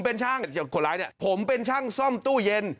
โขลาคอนนี้ผมเป็นช่างซ่อมตู้เย็น